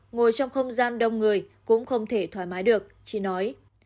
ngồi trong không gian đông người cũng không thể thoải mái được chị nói